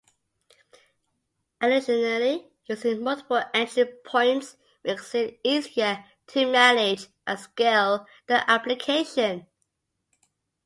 Additionally, using multiple entry points makes it easier to manage and scale the application.